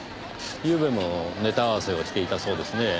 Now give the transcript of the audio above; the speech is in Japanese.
ゆうべもネタ合わせをしていたそうですねぇ。